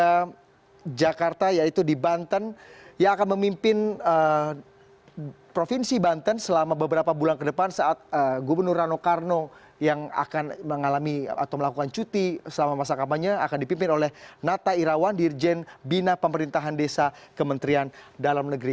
ada jakarta yaitu di banten yang akan memimpin provinsi banten selama beberapa bulan ke depan saat gubernur rano karno yang akan mengalami atau melakukan cuti selama masa kampanye akan dipimpin oleh nata irawan dirjen bina pemerintahan desa kementerian dalam negeri